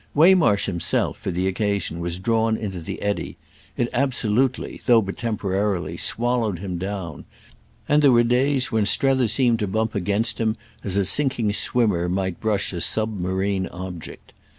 Waymarsh himself, for the occasion, was drawn into the eddy; it absolutely, though but temporarily, swallowed him down, and there were days when Strether seemed to bump against him as a sinking swimmer might brush a submarine object.